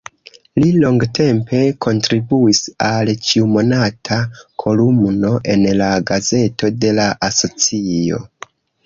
Li longtempe kontribuis al ĉiumonata kolumno en la gazeto de la asocio.